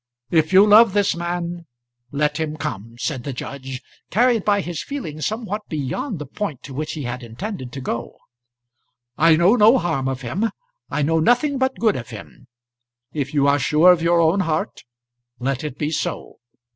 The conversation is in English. "If you love this man, let him come," said the judge, carried by his feelings somewhat beyond the point to which he had intended to go. "I know no harm of him. I know nothing but good of him. If you are sure of your own heart, let it be so.